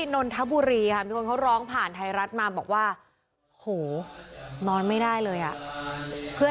นนทบุรีค่ะมีคนเขาร้องผ่านไทยรัฐมาบอกว่าโหนอนไม่ได้เลยอ่ะเพื่อน